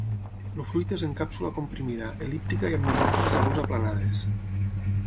El fruit és en càpsula comprimida, el·líptica i amb nombroses llavors aplanades.